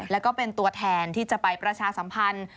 แล้วก็เป็นตัวแทนที่จะไปประชาสัมพันธ์